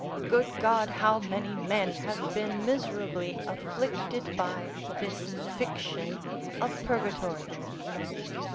good God, how many men have been miserably afflicted by this fiction of purgatory!